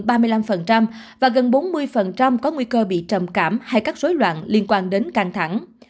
cao hơn ba mươi năm và gần bốn mươi có nguy cơ bị trầm cảm hay các rối loạn liên quan đến căng thẳng